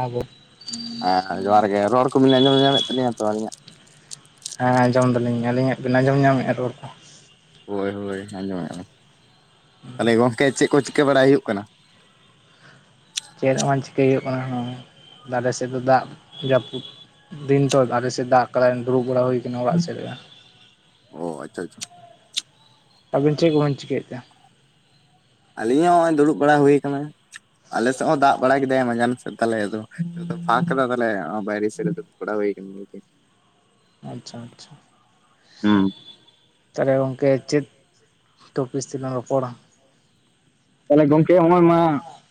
ᱟᱵᱚ ᱟᱸ ᱡᱚᱦᱟᱨ ᱜᱮ ᱨᱚᱲ ᱠᱚᱵᱤᱱ ᱟᱸᱡᱚᱢ ᱧᱟᱢᱮᱫ ᱛᱟᱞᱤᱧᱟ ᱛᱚ ᱟᱹᱞᱤᱧᱟᱜ? ᱦᱮᱸ ᱟᱸᱡᱚᱢ ᱫᱟᱞᱤᱧ, ᱟᱹᱞᱤᱧ ᱟᱜ ᱵᱤᱱ ᱟᱸᱡᱚᱢ ᱧᱟᱢᱮᱜᱼᱟ ᱨᱚᱲ ᱠᱚ? ᱦᱳᱭ ᱦᱳᱭ ᱟᱸᱡᱚᱢᱮ-ᱟ ᱞᱤᱧ, ᱛᱟᱦᱚᱞᱮ ᱜᱚᱢᱠᱮ ᱪᱮᱫ ᱠᱚ ᱪᱤᱠᱟᱹ ᱵᱟᱲᱟᱭ ᱦᱩᱭᱩᱜ ᱠᱟᱱᱟ? ᱪᱮᱫ ᱦᱚ ᱵᱟᱝ ᱪᱤᱠᱟᱹᱭ ᱦᱩᱭᱩᱜ ᱠᱟᱱᱟ ᱫᱚ ᱟᱞᱮ ᱥᱮᱫ ᱫᱚ ᱫᱟᱜ ᱡᱟᱹᱯᱩᱫ ᱫᱤᱱ ᱛᱚ ᱟᱞᱮ ᱥᱮᱫ ᱫᱟᱜ ᱠᱟᱫᱟᱭ ᱫᱩᱲᱩᱵ ᱵᱟᱲᱟ ᱦᱩᱭ ᱴᱤᱱ ᱚᱲᱟᱜ ᱥᱮᱰᱮ-ᱟ, ᱚ ᱟᱪᱪᱷᱟ ᱟᱪᱪᱷᱟ ᱟᱹᱵᱤᱱ ᱪᱮᱫ ᱠᱚᱵᱤᱱ ᱪᱤᱠᱟᱹᱭᱮᱫᱟ? ᱟᱹᱞᱤᱧ ᱦᱚᱸ ᱱᱚᱜ-ᱚᱭ ᱫᱩᱲᱩᱵ ᱵᱟᱲᱟ ᱦᱩᱭ ᱟᱠᱟᱱᱟ ᱟᱞᱮ ᱥᱮᱫ ᱦᱚᱸ ᱫᱟᱜ ᱵᱟᱲᱟ ᱠᱮᱫᱟᱭ ᱢᱟᱡᱟᱱ ᱥᱮᱫ ᱾ ᱛᱟᱦᱚᱞᱮ ᱟᱫᱚ ᱱᱤᱛᱚᱜ ᱫᱚ ᱯᱷᱟᱠ ᱠᱟᱫᱟ ᱛᱟᱦᱚᱞᱮ ᱵᱟᱭᱟᱨ ᱥᱮᱫ ᱨᱮ ᱫᱩᱲᱩᱵ ᱵᱟᱲᱟ ᱦᱩᱭ ᱠᱟᱱ ᱦᱩᱭ ᱠᱟᱱ ᱾ ᱟᱪᱪᱷᱟ ᱟᱪᱪᱷᱟ᱾ ᱦᱩᱸ᱾ ᱛᱟᱦᱚᱞᱮ ᱜᱚᱝᱠᱮ ᱪᱮᱫ ᱴᱚᱯᱤᱥ ᱛᱮ ᱞᱟᱝ ᱨᱚᱯᱚᱲᱟ? ᱛᱟᱦᱚᱞᱮ ᱜᱚᱝᱠᱮ ᱱᱚᱜᱼᱚᱭ ᱢᱟ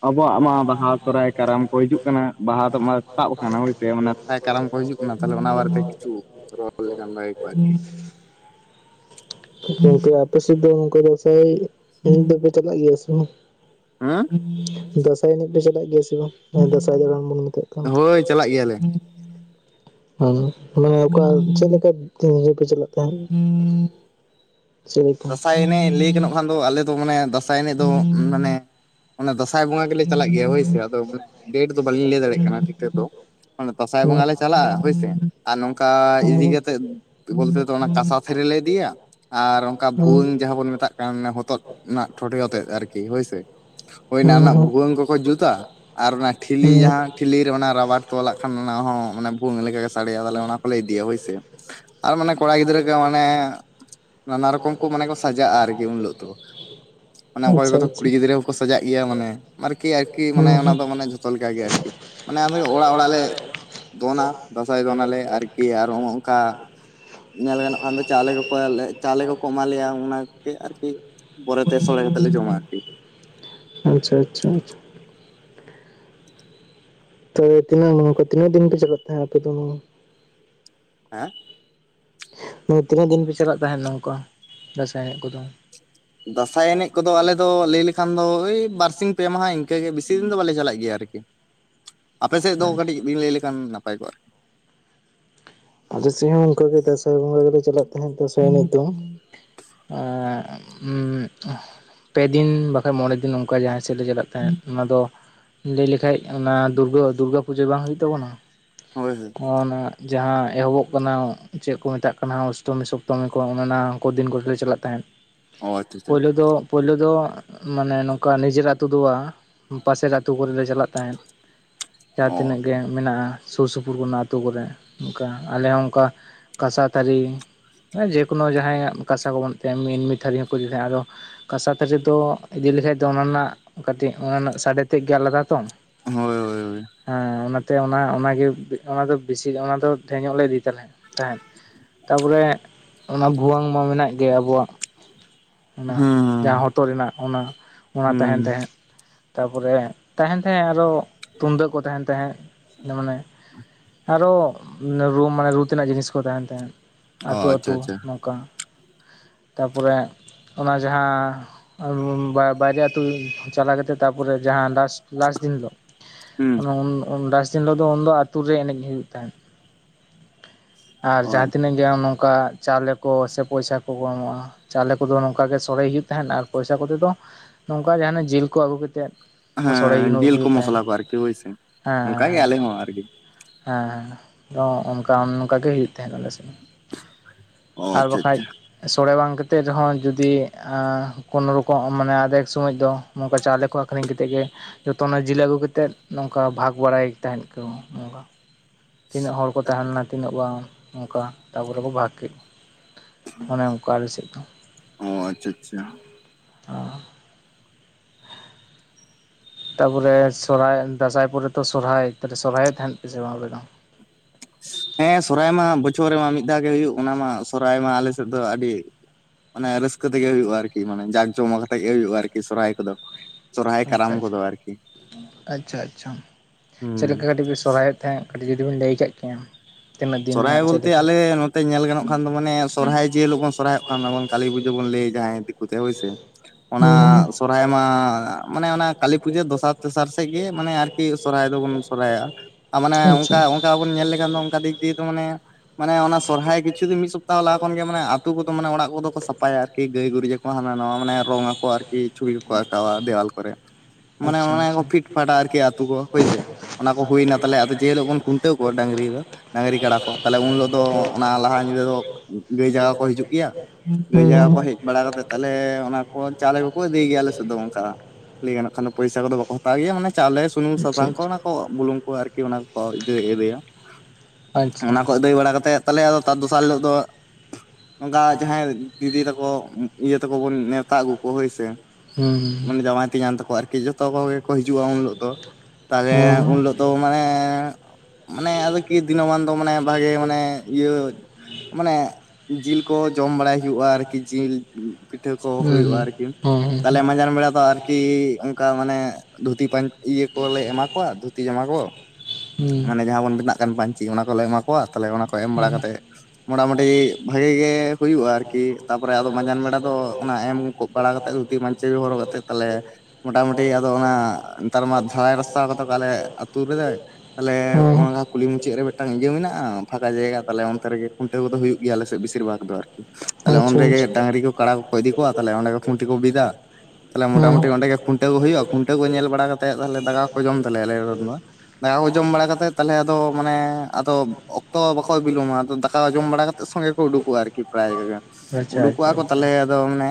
ᱟᱵᱚᱣᱟᱜ ᱢᱟ ᱵᱟᱦᱟ ᱥᱚᱦᱚᱨᱟᱭ ᱠᱟᱨᱟᱢ ᱠᱚ ᱦᱤᱡᱩᱜ ᱠᱟᱱᱟ ᱵᱟᱦᱟ ᱫᱚ ᱢᱟ ᱛᱟᱵ ᱟᱠᱟᱱᱟ ᱦᱳᱭ ᱥᱮ ᱢᱟᱱᱮ ᱛᱟᱭ ᱠᱟᱨᱟᱢ ᱠᱚ ᱦᱤᱡᱩᱜ ᱠᱟᱱᱟ ᱛᱟᱦᱚᱞᱮ ᱚᱱᱟ ᱵᱟᱨᱮᱛᱮ ᱠᱤᱪᱷᱩ ᱨᱚᱲ ᱞᱮᱠᱷᱟᱱ ᱵᱷᱟᱜᱮ ᱠᱚᱜᱼᱟ ᱟᱨᱠᱤ᱾ ᱜᱚᱝᱠᱮ ᱟᱯᱮ ᱥᱮᱫ ᱫᱚ ᱠᱩ ᱫᱟᱸᱥᱟᱭ ᱮᱱᱮᱡ ᱫᱚᱯᱮ ᱪᱟᱞᱟᱜ ᱜᱮᱭᱟ ᱥᱮ? ᱦᱮᱸ ᱫᱟᱸᱥᱟᱭ ᱮᱱᱮᱡ ᱯᱮ ᱪᱟᱞᱟᱜ ᱜᱮᱭᱟ ᱥᱮ ᱵᱟᱝ ᱮ ᱫᱟᱸᱥᱟᱭ ᱫᱟᱲᱟᱱ ᱵᱚᱱ ᱢᱮᱛᱟᱜ ᱠᱟᱱ? ᱦᱳᱭ ᱪᱟᱞᱟᱜ ᱜᱮᱭᱟᱞᱮ᱾ ᱦᱮᱸ ᱢᱟᱱᱮ ᱚᱠᱟ, ᱪᱮᱫ ᱞᱮᱠᱟ ᱫᱤᱱ ᱜᱮᱯᱮ ᱪᱟᱞᱟᱜ ᱛᱟᱦᱮᱱ? ᱫᱟᱸᱥᱟᱭ ᱮᱱᱮᱡ ᱞᱟᱹᱭ ᱜᱟᱱᱚᱜ ᱠᱷᱟᱱ ᱫᱚ ᱟᱞᱮ ᱫᱚ ᱢᱟᱱᱮ ᱫᱟᱸᱥᱟᱭ ᱮᱱᱮᱡ ᱫᱚ ᱢᱟᱱᱮ ᱚᱱᱮ ᱫᱟᱸᱥᱟᱭ ᱵᱚᱸᱜᱟ ᱜᱮᱞᱮ ᱪᱟᱞᱟᱜ ᱜᱮᱭᱟ ᱦᱳᱭᱥᱮ ᱟᱫᱚ ᱢᱟᱱᱮ ᱰᱮᱴ ᱫᱚ ᱵᱟᱹᱞᱤᱧ ᱞᱟᱹᱭ ᱫᱟᱲᱮᱭᱟᱜ ᱠᱟᱱᱟ ᱴᱷᱤᱠᱟ ᱫᱚ᱾ ᱚᱱᱮ ᱫᱟᱸᱥᱟᱭ ᱦᱮᱸ ᱵᱚᱸᱜᱟ ᱞᱮ ᱪᱟᱞᱟᱜᱼᱟ ᱦᱳᱭᱥᱮ ᱟᱨ ᱱᱚᱝᱠᱟ ᱦᱮᱸ ᱤᱫᱤ ᱠᱟᱛᱮᱜ ᱵᱚᱞᱛᱮ ᱫᱚ ᱚᱱᱟ ᱠᱟᱸᱥᱟ ᱛᱷᱟᱹᱨᱤ ᱞᱮ ᱤᱫᱤᱭᱟ ᱟᱨ ᱚᱠᱟ ᱦᱮᱸ ᱵᱷᱩᱣᱟᱹᱝ ᱡᱟᱦᱟᱸ ᱵᱚᱱ ᱢᱮᱛᱟᱜ ᱠᱟᱱᱟ ᱦᱚᱛᱚᱫ ᱱᱟᱜ ᱴᱷᱚᱴᱭᱚ ᱛᱮᱫ ᱟᱨᱠᱤ ᱦᱳᱭ ᱥᱮ᱾ ᱦᱳᱭ ᱦᱩᱸ ᱚᱱᱟ ᱱᱟᱜ ᱦᱩᱸ ᱵᱷᱩᱣᱟᱹᱝ ᱠᱚᱠᱚ ᱡᱩᱛᱟ᱾ ᱟᱨ ᱚᱱᱟ ᱴᱷᱤᱞᱤ ᱦᱩᱸ ᱡᱟᱦᱟᱸ ᱴᱷᱤᱞᱤ ᱨᱮ ᱚᱱᱟ ᱨᱟᱵᱟᱰ ᱛᱚᱞᱟᱜ ᱠᱷᱟᱱ ᱚᱱᱟ ᱦᱚᱸ ᱢᱟᱱᱮ ᱚᱱᱟ ᱵᱷᱩᱣᱟᱹᱝ ᱞᱮᱠᱟᱜᱮ ᱥᱟᱰᱮᱭᱟ ᱛᱟᱦᱚᱞᱮ ᱚᱱᱟ ᱠᱚᱞᱮ ᱤᱫᱤᱭᱟ ᱦᱳᱭ ᱥᱮ ᱟᱨ ᱢᱟᱱᱮ ᱠᱚᱲᱟ ᱜᱤᱫᱽᱨᱟᱹ ᱠᱚ ᱢᱟᱱᱮ ᱱᱟᱱᱟ ᱨᱚᱠᱚᱢ ᱠᱚ ᱢᱟᱱᱮ ᱠᱚ ᱥᱟᱡᱟᱜᱼᱟ ᱟᱨᱠᱤ ᱩᱱ ᱦᱤᱞᱳᱜ ᱫᱚ ᱢᱟᱱᱮ ᱚᱠᱚᱭ ᱠᱚ ᱟᱪᱪᱷᱟ ᱫᱚ ᱟᱪᱪᱷᱟ ᱠᱩᱲᱤ ᱜᱤᱫᱽᱨᱟᱹ ᱦᱚᱸᱠᱚ ᱥᱟᱡᱟᱜ ᱜᱤᱭᱟ ᱢᱟᱱᱮ᱾ ᱟᱨᱠᱤ ᱟᱭᱠᱤ ᱦᱩᱸ ᱢᱟᱱᱮ ᱚᱱᱟ ᱦᱩᱸ ᱫᱚ ᱢᱟᱱᱮ ᱡᱷᱚᱛᱚ ᱞᱮᱠᱟ ᱜᱤ ᱟᱨᱠᱤ᱾ ᱚᱱᱮ ᱟᱫᱚ ᱚᱲᱟᱜ ᱚᱲᱟᱜ ᱞᱮ ᱫᱚᱱᱟ ᱫᱟᱸᱥᱟᱭ ᱫᱚᱱᱟᱞᱮ ᱟᱨᱠᱤ ᱟᱨ ᱚᱱᱚ ᱚᱝᱠᱟ᱾ ᱧᱮᱞ ᱜᱟᱱᱚᱜ ᱠᱷᱟᱱ ᱫᱚ ᱪᱟᱣᱞᱮ ᱠᱚ ᱠᱚᱭᱟᱞᱮ ᱪᱟᱣᱞᱮ ᱠᱚ᱾ ᱠᱚ ᱮᱢᱟ ᱞᱮᱭᱟ ᱚᱱᱟᱱᱟᱜᱮ ᱟᱨᱠᱤ ᱯᱚᱨᱮᱛᱮ ᱥᱚᱲᱮ ᱠᱟᱛᱮ ᱞᱮ ᱡᱚᱢᱟ ᱟᱨᱠᱤ᱾ ᱟᱪᱪᱷᱟ ᱟᱪᱪᱷᱟ ᱟᱪᱪᱷᱟ᱾ ᱛᱚ ᱛᱤᱱᱟᱹᱜ ᱱᱚᱝᱠᱟᱱ, ᱛᱤᱱᱟᱹᱜ ᱫᱤᱱ ᱯᱮ ᱪᱟᱞᱟᱜ ᱛᱟᱸᱦᱮ ᱟᱯᱮ ᱫᱚ? ᱦᱮᱸ ᱛᱤᱱᱟᱹᱜ ᱫᱤᱱ ᱯᱮ ᱪᱟᱞᱟᱜ ᱛᱟᱦᱮᱸᱱ ᱱᱚᱝᱠᱟ ᱫᱟᱸᱥᱟᱭ ᱮᱱᱮᱡ ᱠᱚᱫᱚ? ᱫᱟᱸᱥᱟᱭ ᱮᱱᱮᱡ ᱠᱚᱫᱚ ᱟᱞᱮ ᱫᱚ ᱞᱟᱹᱭ ᱞᱮᱠᱷᱟᱱ ᱫᱚ ᱳᱭ ᱵᱟᱨᱥᱤᱧ ᱯᱮ ᱢᱟᱦᱟ ᱤᱱᱠᱟᱹ ᱜᱮ ᱵᱮᱥᱤ ᱫᱤᱱ ᱫᱚ ᱵᱟᱞᱮ ᱪᱟᱞᱟᱜ ᱜᱮᱭᱟ ᱟᱨᱠᱤ᱾ ᱟᱯᱮ ᱥᱮᱫ ᱫᱚ ᱠᱟᱹᱴᱤᱡ ᱵᱤᱱ ᱞᱟᱹᱭ ᱞᱮᱠᱷᱟᱱ ᱱᱟᱯᱟᱭ ᱠᱚᱜᱼᱟ᱾ ᱟᱞᱮ ᱥᱮᱡ ᱦᱚᱸ ᱚᱱᱠᱟ ᱜᱮ ᱫᱟᱸᱥᱟᱭ ᱵᱚᱸᱜᱟ ᱜᱮᱞᱮ ᱪᱟᱞᱟᱜ ᱛᱟᱦᱮᱸᱫ ᱫᱟᱸᱥᱟᱭ ᱮᱱᱮᱡ ᱫᱚ᱾ ᱮᱸᱜ ᱩᱸᱜ ᱯᱮᱫᱤᱱ-ᱵᱟᱠᱷᱟᱱ ᱢᱚᱬᱮ ᱫᱤᱱ ᱚᱝ ᱠᱟ ᱡᱟᱦᱟᱸ ᱥᱮᱫ ᱞᱮ ᱪᱟᱞᱟᱜ ᱛᱟᱦᱮᱸᱫ ᱚᱱᱟ ᱫᱚ, ᱞᱟᱹᱭ ᱞᱮᱠᱷᱟᱡ ᱚᱱᱟ ᱫᱩᱨᱜᱟᱹ ᱫᱩᱨᱜᱟ ᱯᱩᱡᱟᱹ ᱵᱟᱝ ᱦᱩᱭᱩᱜ ᱛᱟᱹᱵᱩᱱᱟ, ᱦᱳᱭ ᱦᱳᱭ᱾ ᱚᱱᱚᱶᱟ ᱡᱟᱦᱟᱸᱭ ᱮᱦᱚᱵᱚᱜ ᱠᱟᱱᱟ ᱪᱮᱫ ᱠᱚ ᱢᱮᱛᱟᱜ ᱠᱟᱱᱟ ᱚᱥᱴᱚᱢᱤ ᱥᱚᱯᱛᱚᱢᱤ ᱠᱚ ᱚᱱᱮ ᱚᱱᱟ ᱠᱚ ᱫᱤᱱ ᱠᱚᱛᱮᱞᱮ ᱪᱟᱞᱟᱜ ᱛᱟᱦᱮᱸᱫ᱾ ᱚ ᱟᱪᱪᱷᱟ ᱟᱪᱪᱷᱟ ᱯᱳᱭᱞᱳ ᱫᱚ ᱯᱳᱭᱞᱳ ᱫᱚ ᱢᱟᱱᱮ ᱱᱚᱝᱠᱟ ᱱᱤᱡᱮᱨ ᱟᱛᱩ ᱫᱚ ᱵᱟᱝ ᱯᱟᱥᱮᱨ ᱟᱛᱩ ᱠᱚᱨᱮ ᱞᱮ ᱪᱟᱞᱟᱜ ᱛᱟᱦᱮᱸᱱ ᱡᱟᱦᱟᱸ ᱚ ᱛᱤᱱᱟᱹᱜ ᱜᱮ ᱢᱮᱱᱟᱜᱼᱟ ᱥᱩᱨ ᱥᱩᱯᱩᱨ ᱚᱱᱟ ᱟᱛᱩ ᱠᱚᱨᱮ᱾ ᱚᱱᱠᱟ ᱟᱞᱮ ᱦᱚᱸ ᱚᱱᱠᱟ ᱠᱟᱥᱟ ᱛᱷᱟᱹᱨᱤ ᱡᱮᱠᱳᱱᱳ ᱡᱟᱦᱟᱸᱭᱟᱜ ᱠᱟᱥᱟ ᱠᱚ ᱵᱟᱹᱱᱩᱜ ᱛᱟᱭᱟ ᱮᱢᱱᱤ ᱛᱷᱟᱹᱨᱤ ᱦᱚᱸᱠᱚ ᱤᱫᱤ ᱛᱟᱦᱮᱸᱱᱟ᱾ ᱟᱫᱚ ᱠᱟᱸᱥᱟ ᱛᱷᱟᱹᱨᱤ ᱫᱚ ᱤᱫᱤ ᱞᱮᱠᱷᱟᱡ ᱫᱚ ᱚᱱᱟ ᱱᱮᱱᱟᱜ ᱠᱟᱹᱴᱤᱡ ᱚᱱᱟ ᱨᱮᱱᱟᱜ ᱥᱟᱰᱮ ᱛᱮᱜ ᱜᱮ ᱟᱞᱟᱫᱟ ᱛᱚ ᱦᱳᱭ ᱦᱳᱭ ᱦᱳᱭ ᱮ ᱚᱱᱟ ᱛᱮ ᱚᱱᱟᱜᱮ ᱚᱱᱟ ᱫᱚ ᱵᱮᱥᱤ ᱚᱱᱟ ᱰᱷᱮᱨ ᱧᱚᱜ ᱞᱮ ᱤᱫᱤ ᱛᱟᱦᱮᱸᱫ᱾ ᱛᱟᱯᱚᱨᱮ ᱚᱱᱟ ᱵᱷᱩᱣᱟᱹᱝ ᱢᱟ ᱢᱮᱱᱟᱜ ᱜᱮᱭᱟ ᱟᱵᱚᱣᱟᱜ᱾ ᱚᱱᱟ ᱦᱩᱸ ᱡᱟᱦᱟᱸ ᱦᱚᱴᱚᱜ ᱨᱮᱱᱟᱜ ᱚᱱᱟ ᱚᱱᱟ ᱦᱩᱸ ᱛᱟᱦᱮᱱ ᱛᱟᱦᱮᱸᱫ᱾ ᱛᱟᱯᱚᱨᱮ ᱛᱟᱦᱮᱱ ᱛᱟᱦᱮᱸᱜ ᱟᱨᱚ ᱛᱩᱢᱫᱟᱜ ᱠᱚ ᱛᱟᱦᱮᱱ ᱛᱟᱦᱮᱸᱜ ᱾ ᱤᱱᱟᱹ ᱢᱟᱱᱮ ᱟᱨᱚ ᱨᱩ ᱢᱟᱱᱮ ᱨᱩ ᱛᱮᱱᱟᱜ ᱡᱤᱱᱤᱥ ᱠᱚ ᱛᱟᱦᱮᱱ ᱛᱟᱦᱮᱸᱫ ᱾ ᱚ ᱟᱹᱛᱩ ᱟᱪᱪᱷᱟ ᱟᱹᱛᱩ ᱟᱪᱪᱷᱟ ᱱᱚᱝᱠᱟ ᱛᱟᱨᱯᱚᱨᱮ ᱚᱱᱟ ᱡᱟᱦᱟᱸ ᱟᱨ ᱵᱟ ᱵᱟᱡᱟᱨ ᱟᱛᱩ ᱪᱟᱞᱟᱣ ᱠᱟᱛᱮᱜ ᱛᱟᱯᱚᱨᱮ ᱡᱟᱦᱟᱸ ᱞᱟᱥᱴ ᱞᱟᱥᱴ ᱫᱤᱱ ᱦᱤᱞᱳᱜ ᱦᱩᱸ ᱚᱱᱟ ᱚᱱᱟ ᱞᱟᱥᱴ ᱫᱤᱱ ᱦᱤᱞᱳᱜ ᱫᱚ ᱩᱱ ᱫᱚ ᱟᱛᱩ ᱨᱮ ᱮᱱᱮᱡᱽ ᱦᱩᱭᱩᱜ ᱛᱟᱦᱮᱸᱫ ᱾ ᱟᱨ ᱚ ᱡᱟᱦᱟᱸ ᱛᱤᱱᱟᱹᱜ ᱜᱮ ᱚᱱᱮ ᱚᱝᱠᱟ ᱪᱟᱣᱞᱮ ᱠᱚ ᱥᱮ ᱯᱚᱭᱥᱟ ᱠᱚᱠᱚ ᱮᱢᱚᱜᱼᱟ ᱾ ᱪᱟᱣᱞᱮ ᱠᱚᱫᱚ ᱱᱚᱝᱠᱟᱜᱮ ᱥᱚᱲᱮ ᱦᱩᱭᱩᱜ ᱛᱟᱦᱮᱸᱱ ᱟᱨ ᱯᱚᱭᱥᱟ ᱠᱚᱛᱮ ᱫᱚ ᱱᱚᱝᱠᱟ ᱡᱟᱦᱱᱟᱜ ᱡᱤᱞ ᱠᱚ ᱟᱹᱜᱩ ᱠᱟᱛᱮᱜ ᱥᱚᱲᱮ ᱦᱮᱸ ᱡᱤᱞ ᱠᱚ ᱦᱩᱭᱩᱜ ᱛᱟᱦᱮᱸᱱ ᱢᱚᱥᱞᱟ ᱠᱚ ᱟᱨᱠᱤ ᱦᱳᱭᱥᱮ ᱦᱮᱸ ᱦᱮᱸ ᱚᱱᱠᱟ ᱜᱮ ᱟᱞᱮ ᱦᱚᱸ ᱟᱨᱠᱤ ᱦᱮᱸ ᱾ ᱦᱮᱸ ᱛᱚ ᱚᱱᱠᱟ ᱚᱱᱠᱟ ᱜᱮ ᱦᱩᱭᱩᱜ ᱛᱟᱦᱮᱸᱫ ᱟᱞᱮ ᱥᱮᱫ ᱫᱚ ᱚ ᱾ ᱟᱨ ᱟᱪᱪᱷᱟ ᱵᱟᱠᱷᱟᱡᱽ᱾ ᱟᱪᱪᱷᱟ ᱥᱳᱲᱮ ᱵᱟᱝ ᱠᱟᱛᱮᱫ ᱨᱮᱦᱚᱸ ᱡᱩᱫᱤ ᱟᱸ ᱠᱳᱱᱳ ᱨᱚᱠᱚᱢ ᱢᱟᱱᱮ ᱟᱫᱷᱮᱠ ᱥᱳᱚᱢᱚᱭ ᱫᱚ ᱱᱚᱝᱠᱟ ᱪᱟᱣᱞᱮ ᱠᱚ ᱟᱹᱠᱷᱨᱤᱧᱟ ᱠᱟᱛᱮᱫ ᱜᱮᱼᱼ ᱡᱷᱚᱛᱼᱚᱱᱟ ᱡᱤᱞ ᱟᱹᱜᱩ ᱠᱟᱛᱮᱫ ᱱᱚᱝᱠᱟ ᱵᱷᱟᱜᱽ ᱵᱟᱲᱟᱭ ᱛᱟᱦᱮᱸᱫ ᱠᱚ ᱱᱚᱝᱠᱟ᱾ ᱛᱤᱱᱟᱹᱜ ᱦᱚᱲ ᱠᱚ ᱛᱟᱦᱮᱸ ᱞᱮᱱᱟ ᱛᱤᱱᱟᱹᱜ ᱵᱟᱝ ᱚᱱᱠᱟ ᱛᱟᱯᱚᱨᱮ ᱠᱚ ᱵᱷᱟᱜᱽ ᱠᱮᱫ ᱾ ᱚᱱᱮ ᱚᱱᱠᱟ ᱟᱞᱮ ᱥᱮᱫ ᱫᱚ ᱾ ᱚᱸ ᱟᱪᱪᱷᱟ ᱟᱪᱪᱷᱟ ᱛᱟᱯᱚᱨᱮ ᱥᱚᱨᱦᱟᱭ ᱫᱟᱸᱥᱟᱭ ᱯᱚᱨᱮ ᱛᱚ ᱥᱚᱨᱦᱟᱭ ᱥᱚᱨᱦᱟᱭ ᱛᱟᱦᱮᱱ ᱯᱮ ᱥᱮ ᱵᱟᱝ ᱟᱯᱮ ᱫᱚ? ᱦᱮᱸ ᱥᱚᱨᱦᱟᱭ ᱢᱟ ᱵᱚᱪᱷᱚᱨ ᱨᱮᱢᱟ ᱢᱤᱫ ᱫᱷᱟᱣ ᱜᱮ ᱦᱩᱭᱩᱜ ᱚᱱᱟ ᱢᱟ ᱥᱚᱨᱦᱟᱭ ᱢᱟ ᱟᱞᱮ ᱥᱮᱫ ᱫᱚ ᱟᱹᱰᱤᱼᱼ ᱢᱟᱱᱮ ᱨᱟᱹᱥᱠᱟᱹ ᱛᱮᱜᱮ ᱦᱩᱭᱩᱜᱼᱟ ᱟᱨᱠᱤ ᱢᱟᱱᱮ ᱡᱟᱠ ᱡᱚᱢᱚᱠ ᱠᱟᱛᱮᱜ ᱜᱮ ᱦᱩᱭᱩᱜᱼᱟ ᱟᱨᱠᱤ ᱥᱚᱨᱦᱟᱭ ᱠᱚᱫᱚ ᱾ ᱟᱪᱪᱷᱟ ᱟᱪᱪᱷᱟ ᱟᱪᱪᱷᱟ ᱟᱪᱪᱷᱟ ᱪᱮᱫ ᱞᱮᱠᱟ ᱦᱩᱸ ᱠᱟᱹᱴᱤᱡ ᱯᱮ ᱥᱚᱨᱦᱟᱭᱚᱜ ᱠᱟᱹᱴᱤᱡ ᱡᱩᱫᱤ ᱵᱤᱱ ᱞᱟᱹᱭ ᱠᱮᱫ ᱠᱮᱭᱟᱹ? ᱥᱚᱨᱦᱟᱭ ᱵᱚᱞᱛᱮ ᱟᱞᱮ ᱱ ᱧᱮᱞ ᱜᱟᱱᱚᱜ ᱠᱷᱟᱱ ᱫᱚ ᱢᱟᱱᱮ ᱥᱚᱨᱦᱟᱭ ᱡᱮ ᱦᱤᱞᱚᱜ ᱵᱚᱱ ᱥᱚᱦᱨᱟᱭᱚᱜ ᱠᱟᱱ ᱫᱚ ᱠᱟᱹᱞᱤ ᱯᱩᱡᱟᱹ ᱵᱚᱱ ᱞᱟᱹᱭᱟ ᱫᱟ ᱫᱤᱠᱩᱛᱮ ᱦᱳᱭᱥᱮ ᱚᱱᱟ ᱦᱩᱸ ᱥᱚᱨᱦᱟᱭ ᱢᱟ ᱢᱟᱱᱮ ᱚᱱᱟ ᱠᱟᱹᱞᱤ ᱯᱩᱡᱟᱹ ᱫᱚᱥᱟᱨ ᱛᱮᱥᱟᱨ ᱥᱮᱫ ᱜᱮ ᱢᱟᱱᱮ ᱟᱨ ᱥᱚᱦᱨᱟᱭ ᱫᱚᱵᱚᱱ ᱥᱚᱨᱦᱟᱭᱚᱜᱼᱟ ᱟᱨ ᱢᱟᱱᱮ ᱟᱪᱪᱷᱟ ᱚᱱᱠᱟ ᱚᱱᱠᱟ ᱚᱱᱠᱟ ᱧᱮᱞ ᱞᱮᱠᱷᱟᱱ ᱫᱚ ᱚᱱᱠᱟ ᱫᱤᱠ ᱫᱤᱭᱮ ᱫᱚ ᱢᱟᱱᱮ ᱢᱟᱱᱮ ᱚᱱᱟ ᱥᱚᱨᱦᱟᱭ ᱠᱤᱪᱷᱩ ᱫᱤᱱ ᱢᱤᱫ ᱥᱚᱯᱛᱟᱦᱚ ᱞᱟᱦᱟ ᱠᱷᱚᱱ ᱜᱮ ᱢᱟᱱᱮ ᱟᱛᱳ ᱠᱚᱫᱚ ᱢᱟᱱᱮ ᱚᱲᱟᱜ ᱠᱚᱫᱚ ᱠᱚ ᱥᱟᱯ ᱥᱟᱯᱟᱭᱟ ᱟᱨᱠᱤ ᱜᱟᱹᱭ ᱜᱩᱨᱤᱡᱟ ᱠᱚ ᱦᱟᱱᱟ ᱱᱟᱣᱟ ᱠᱚ ᱢᱟᱱᱮ ᱨᱚᱝ ᱟᱠᱚ ᱟᱨᱠᱤ ᱪᱷᱚᱵᱤ ᱠᱚᱠᱚ ᱟᱸᱠᱟᱣᱟ ᱫᱮᱣᱟᱞ ᱠᱚᱨᱮ᱾ ᱢᱟᱱᱮ ᱟᱪᱪᱷᱟ ᱚᱱᱮ ᱠᱚ ᱟᱪᱪᱷᱟ ᱯᱷᱤᱴ ᱯᱷᱟᱴᱟ ᱟᱨᱠᱤ ᱟᱛᱩ ᱠᱚ ᱦᱳᱭᱥᱮ ᱚᱱᱟ ᱠᱚ ᱦᱩᱭᱱᱟ ᱛᱟᱦᱞᱮ ᱟᱫᱚ ᱡᱮ ᱦᱤᱞᱳᱜ ᱵᱚᱱ ᱠᱷᱩᱱᱴᱟᱹᱣ ᱠᱚᱣᱟ ᱰᱟᱹᱝᱨᱤ ᱫᱚ ᱰᱟᱝᱨᱤ ᱠᱟᱲᱟ ᱠᱚ ᱛᱟᱦᱚᱞᱮ ᱩᱱ ᱦᱤᱞᱳᱜ ᱫᱚ ᱚᱱᱟ, ᱞᱟᱦᱟ ᱧᱤᱫᱟᱹ ᱫᱚ ᱜᱟᱹᱭ ᱡᱟᱸᱜᱟᱣ ᱠᱚ ᱦᱤᱡᱩᱜ ᱜᱮᱭᱟᱼᱼ ᱜᱟᱹᱭ ᱡᱟᱜᱟᱣ ᱦᱩᱸ ᱠᱚ ᱦᱮᱡ ᱵᱟᱲᱟ ᱠᱟᱛᱮᱫ ᱛᱟᱦᱚᱞᱮ ᱚᱱᱟ ᱠᱚ ᱪᱟᱣᱞᱮ ᱠᱚᱠᱚ ᱟᱹᱫᱟ ᱭ ᱜᱮᱭᱟ ᱟᱞᱮ ᱥᱮᱫ ᱚᱱᱠᱟ ᱞᱟᱹᱭ ᱜᱟᱱᱚᱜ ᱠᱷᱟᱱ ᱯᱚᱭᱥᱟ ᱠᱚᱫᱚ ᱵᱟᱠᱚ ᱦᱟᱛᱟᱣ ᱜᱮᱭᱟ ᱢᱟᱱᱮ ᱪᱟᱣᱞᱮ ᱥᱩᱱᱩᱢ ᱟᱪᱪᱷᱟ ᱟᱪᱪᱷᱟ ᱥᱟᱥᱟᱝ ᱠᱚ ᱚᱱᱟ ᱵᱩᱞᱩᱝ ᱟᱨᱠᱤ ᱚᱱᱟ ᱠᱚ ᱟᱹᱫᱟᱹᱭᱟ ᱟᱪᱪᱷᱟ ᱚᱱᱟ ᱠᱚ ᱟᱹᱫᱟᱹᱭ ᱵᱟᱲᱟ ᱠᱟᱛᱮᱫ ᱛᱟᱦᱚᱞᱮ ᱟᱫᱚ ᱛᱟᱨ ᱫᱚᱥᱟᱨ ᱦᱤᱞᱳᱜ ᱫᱚ ᱱᱚᱝᱠᱟ ᱡᱟᱦᱟᱸᱭ ᱫᱤᱫᱤ ᱛᱟᱠᱚ ᱤᱭᱟᱹ ᱛᱟᱠᱚ ᱵᱚᱱ ᱱᱮᱣ ᱱᱮᱣᱛᱟ ᱟᱹᱜᱩ ᱠᱚᱣᱟ ᱦᱳᱭᱥᱮ ᱦᱩᱸ ᱢᱟᱱᱮ ᱡᱟᱣᱟᱭ ᱛᱮᱸᱧᱟᱝ ᱛᱟᱠᱚ ᱟᱨᱠᱤ ᱡᱷᱚᱛ ᱡᱷᱚᱛᱚ ᱠᱚᱜᱮ ᱠᱚ ᱦᱤᱡᱩᱜᱼᱟ ᱩᱱ ᱦᱤᱞᱳᱜ ᱫᱚ ᱛᱟᱦᱚᱞᱮ ᱦᱩᱸ ᱩᱱ ᱦᱤᱞᱳᱜ ᱫᱚ ᱢᱟᱱᱮ ᱢᱟᱱᱮ ᱟᱫᱚᱠᱤ ᱫᱤᱱᱟᱹᱢᱟᱱ ᱫᱚ ᱢᱟᱱᱮ ᱵᱷᱟᱜᱮ ᱢᱟᱱᱮ ᱤᱭᱟᱹ ᱢᱟᱱᱮ ᱡᱤᱞ ᱠᱚ ᱡᱚᱢ ᱵᱟᱲᱟᱭ ᱦᱩᱭᱩᱜᱼᱟ ᱟᱨᱠᱤ ᱡᱤᱞ ᱯᱤᱴᱷᱟᱹ ᱠᱚ ᱦᱩᱸ ᱦᱩᱭᱩᱜᱼᱟ ᱦᱩᱸ ᱟᱨᱠᱤ ᱦᱩᱸ ᱦᱩᱸ ᱛᱟᱦᱚᱞᱮ ᱢᱟᱸᱡᱟᱱ ᱵᱮᱲᱟ ᱫᱚ ᱟᱨᱠᱤ ᱚᱱᱠᱟ ᱢᱟᱱᱮ ᱫᱷᱩᱛᱤ ᱯᱟᱧᱪᱤ ᱤᱭᱟᱹ ᱠᱚᱞᱮ ᱮᱢᱟ ᱠᱚᱣᱟ ᱫᱷᱩᱛᱤ ᱡᱟᱢᱟ ᱠᱚ ᱦᱩᱸ ᱢᱟᱱᱮ ᱡᱟᱦᱟᱸ ᱵᱚᱱ ᱢᱮᱛᱟᱜ ᱠᱟᱱ ᱯᱟᱹᱧᱪᱤ ᱚᱱᱟ ᱠᱚᱞᱮ ᱮᱢᱟ ᱠᱚᱣᱟ ᱛᱟᱦᱚᱞᱮ ᱚᱱᱟ ᱮᱢ ᱦᱩᱸ ᱵᱟᱲᱟ ᱦᱩᱸ ᱠᱟᱛᱮ ᱢᱚᱴᱟᱢᱩᱴᱤ ᱵᱷᱟᱜᱤ ᱜᱮ ᱦᱮᱸ ᱟᱪᱪᱷᱟ ᱟᱪᱪᱷᱟ ᱦᱮᱸ ᱟᱪᱪᱷᱟ ᱟᱪᱪᱷᱟ ᱦᱩᱭᱩᱜᱼᱟ ᱟᱨᱠᱤ ᱛᱟᱯᱚᱨᱮ ᱟᱫᱚ ᱢᱟᱸᱡᱟᱱ ᱵᱮᱲᱟ ᱫᱚ ᱚᱱᱟ ᱮᱢ [inaudible] ᱵᱟᱲᱟ ᱠᱟᱛᱮ ᱫᱷᱩᱜᱤ ᱯᱟᱧᱪᱤ ᱦᱚᱨᱚᱜ ᱠᱟᱛᱮ ᱛᱟᱦᱚᱞᱮ ᱢᱚᱴᱟᱢᱩᱴᱤ ᱟᱫᱚ ᱚᱱᱟ ᱱᱮᱛᱟᱨ ᱢᱟ ᱰᱷᱟᱞᱟᱭ ᱨᱟᱥᱟ ᱟᱪᱪᱷᱟ ᱠᱟᱫᱟ [inaudible] ᱟᱞᱮ ᱟᱛᱩ ᱨᱮ ᱛᱟᱦᱚᱞᱮ ᱚᱱᱟ ᱠᱩᱞᱦᱤ ᱢᱩᱪᱟᱹᱫ ᱨᱮ ᱢᱤᱫᱴᱟᱝ ᱤᱭᱟᱹ ᱢᱮᱱᱟᱜᱼᱟ ᱯᱷᱟᱸᱠᱟ ᱡᱟᱭᱜᱟ ᱛᱟᱦᱚᱞᱮ ᱚᱱᱛᱮ ᱨᱮᱜ ᱠᱷᱩᱱᱴᱟᱹᱣ ᱠᱚᱫᱚ ᱦᱩᱭᱩᱜ ᱜᱮᱭᱟ ᱟᱞᱮᱥᱮᱫ ᱵᱮᱥᱤᱨ ᱵᱷᱟᱜᱽ ᱫᱚ ᱟᱨᱠᱤ ᱛᱟᱦᱞᱮ ᱚᱱᱰᱮᱜᱮ ᱰᱟᱝᱨᱤ ᱠᱚ ᱠᱟᱲᱟ ᱠᱚ ᱤᱫᱤ ᱠᱚᱣᱟ ᱛᱟᱦᱞᱮ ᱚᱸᱰᱮ ᱠᱷᱩᱱᱴᱤ ᱠᱚ ᱵᱤᱫᱟ ᱛᱟᱦᱚᱞᱮ ᱢᱚᱴᱟ ᱢᱩᱴᱤ ᱚᱸᱰᱮ ᱜᱮ ᱠᱷᱩᱱᱴᱟᱹᱣ ᱦᱩᱭᱩᱜᱼᱟ ᱠᱷᱩᱱᱴᱟᱹᱣ ᱠᱚ ᱧᱮᱞᱲᱟ ᱠᱟ [inaudible] ᱛᱟᱦᱚᱞᱮ ᱫᱟᱠᱟ ᱠᱚ ᱡᱚᱢ ᱛᱟᱞᱮᱭᱟ ᱟᱞᱮ ᱫᱚ ᱫᱟᱠᱟ ᱠᱚ ᱡᱚᱢ ᱵᱟᱲᱟ ᱠᱟᱛᱮᱫ ᱛᱟᱦᱚᱞᱮ ᱟᱫᱚ ᱢᱟᱱᱮ ᱟᱫᱚ ᱚᱠᱛᱚ ᱵᱟᱠᱚ ᱵᱤᱞᱚᱢᱟ ᱟᱫᱚ ᱫᱟᱠᱟ ᱡᱚᱢ ᱵᱟᱲᱟ ᱠᱟᱛᱮᱫ ᱥᱚᱸᱜᱮ ᱠᱚ ᱩᱰᱩᱠᱚᱜᱼᱟ ᱟᱨᱠᱤ ᱯᱨᱟᱭ ᱠᱚ ᱜᱮ᱾ ᱩᱰᱩᱠᱚᱜᱼᱟ ᱠᱚ ᱛᱟᱞᱮ ᱟᱫᱚ ᱢᱟᱱᱮ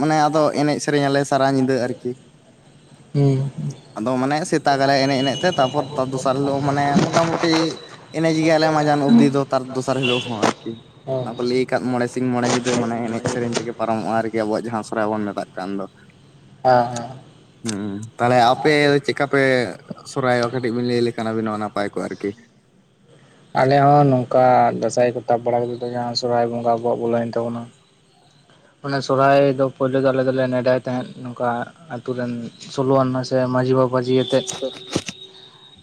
ᱢᱟᱱᱮ ᱟᱫᱚ ᱮᱱᱮᱡ ᱥᱮᱨᱮᱧ ᱟᱞᱮ ᱥᱟᱨᱟ ᱧᱤᱫᱟᱹ ᱟᱨᱠᱤ᱾ ᱦᱮᱸ᱾ ᱟᱫᱚ ᱢᱟᱱᱮ ᱥᱮᱛᱟᱜ ᱟᱞᱮ ᱮᱱᱮᱡ ᱮᱱᱮᱡ ᱛᱮ ᱛᱟᱯᱚᱨ ᱫᱚᱥᱟᱨ ᱦᱤᱞᱳᱜ ᱢᱟᱱᱮ ᱢᱚᱴᱟᱢᱩᱴᱤ ᱮᱱᱮᱡ ᱜᱮᱭᱟᱞᱮ ᱢᱟᱡᱟᱱ ᱚᱵᱽᱫᱤ ᱫᱚ ᱛᱟᱨ ᱫᱚᱥᱟᱨ ᱦᱤᱞᱳᱜ ᱦᱚᱸ ᱟᱨᱠᱤ᱾ ᱦᱮᱸ ᱚᱱᱟ ᱦᱮᱸ ᱠᱚ ᱞᱟᱹᱭ ᱟᱠᱟᱫ ᱢᱚᱬᱮ ᱥᱤᱧ ᱢᱚᱬᱮ ᱧᱤᱫᱟᱹ ᱢᱟᱱᱮ ᱮᱱᱮᱡ ᱥᱮᱨᱮᱧ ᱛᱮᱜᱮ ᱯᱟᱨᱚᱢᱚᱜᱼᱟ ᱟᱨᱠᱤ ᱟᱵᱚᱣᱟᱜ ᱡᱟᱦᱟᱸ ᱥᱚᱨᱦᱟᱭ ᱵᱚᱱ ᱢᱮᱛᱟᱜ ᱠᱟᱱ ᱫᱚ᱾ [inaudible] ᱦᱮᱸ ᱦᱮᱸ᱾ ᱦᱩᱸ ᱛᱟᱦᱚᱞᱮ ᱟᱯᱮ ᱪᱮᱫᱠᱟ ᱯᱮ ᱥᱚᱨᱦᱟᱭᱚᱜᱼᱟ ᱠᱟᱹᱴᱤᱡ ᱵᱤᱱ ᱞᱟᱹᱭᱞᱮᱠᱷᱱ ᱟᱵᱤ ᱦᱚᱸ ᱱᱟᱯᱟᱭ ᱠᱚᱜ ᱟᱨᱠᱤ? ᱟᱞᱮ ᱦᱚᱸ ᱱᱚᱝᱠᱟ ᱫᱟᱸᱥᱟᱭ ᱠᱚ ᱛᱟᱵ ᱵᱟᱲᱟᱛᱮᱫ ᱡᱟᱦᱟᱸ ᱥᱚᱨᱦᱟᱭ ᱵᱚᱸᱜᱟ ᱟᱵᱚᱣᱟᱜ ᱵᱚᱞᱟᱹᱭᱮᱱ ᱛᱟᱵᱚᱱᱟ᱾ ᱚᱱᱟᱮ ᱥᱚᱨᱦᱟᱭ ᱫᱚ ᱯᱳᱭᱞᱳ ᱫᱚ ᱟᱞᱮ ᱫᱚᱞᱮ ᱱᱮᱰᱟᱭ ᱛᱟᱦᱮᱸᱫ ᱱᱚᱝᱠᱟ ᱟᱛᱩ ᱨᱮᱱ ᱥᱳᱞᱳ ᱟᱱᱟ ᱥᱮ ᱢᱟᱺᱡᱷᱤ ᱵᱟᱵᱟ ᱡᱷᱤ ᱠᱟᱛᱮᱫᱼᱼ [unintelligible]